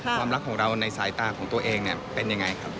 ความรักของเราในสายตาของตัวเองเป็นอย่างไรครับ